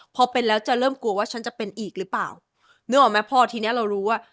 พอเป็นแล้วจะเริ่มกลัวว่าฉันจะเป็นอีกหรือเปล่านึกออกไหมพอทีเนี้ยเรารู้ว่า